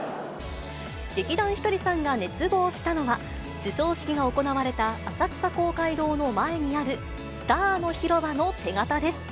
劇団ひとりさんが熱望したのは、授賞式が行われた浅草公会堂の前にあるスターの広場の手型です。